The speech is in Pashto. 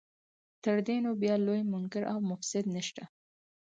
تر دې نو بیا لوی منکر او مفسد نشته.